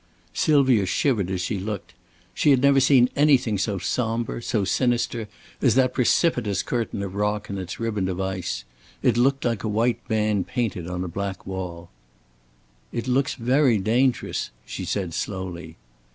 Sylvia shivered as she looked. She had never seen anything so somber, so sinister, as that precipitous curtain of rock and its riband of ice. It looked like a white band painted on a black wall. "It looks very dangerous," she said, slowly.